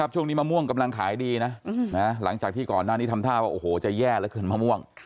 ช่วงนี้มะม่วงกำลังขายดีนะหลังจากที่ก่อนหน้านี้ทำท่าว่าโอ้โหจะแย่เหลือเกินมะม่วง